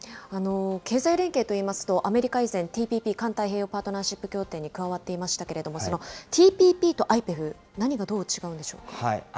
経済連携といいますと、アメリカは以前、ＴＰＰ・環太平洋パートナーシップ協定に加わっていましたけれども、そのＴＰＰとＩＰＥＦ、何がどう違うんでしょうか。